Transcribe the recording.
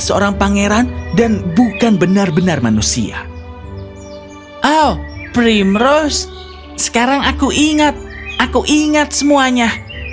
seorang pangeran dan bukan benar benar manusia oh primrose sekarang aku ingat aku ingat semuanya